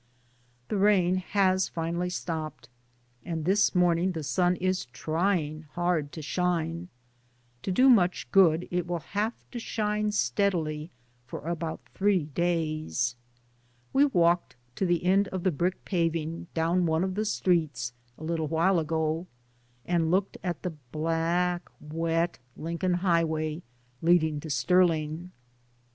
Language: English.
The rain has finally stopped and this morning the sun is trying hard to shine. ' To do much good it will have to shine steadily for about three days. We walked to the end of the brick paving down one of the streets a little while ago and looked at the black wet Lincoln Highway leading to Sterling.